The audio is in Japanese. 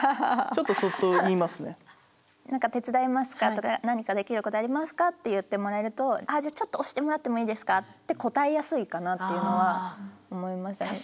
「何か手伝いますか？」とか「何かできることありますか？」って言ってもらえると「じゃあちょっと押してもらってもいいですか」って答えやすいかなっていうのは思いましたね。